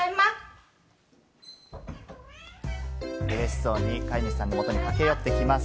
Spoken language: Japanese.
嬉しそうに飼い主さんのもとに駆け寄ってきます。